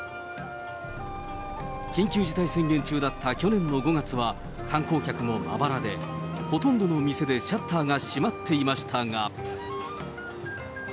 緊急事態宣言中だった去年の５月は観光客もまばらで、ほとんどの店でシャッターが閉まっていましたが。